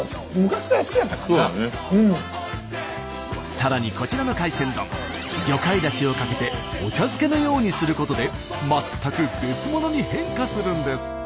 さらにこちらの海鮮丼魚介だしをかけてお茶漬けのようにすることで全く別物に変化するんです。